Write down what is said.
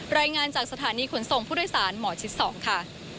รายงานจากสถานีขนส่งผู้โดยสารหมอชิด๒ค่ะ